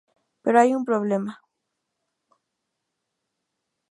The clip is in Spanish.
Pero hay un problema.